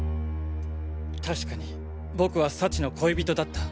確かに僕は幸の恋人だった！